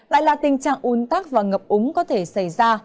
lại là tình trạng un tắc và ngập úng có thể xảy ra